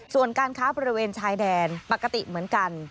ส่วนการค้าบริเวณชายแดนปกติเหมือนกัน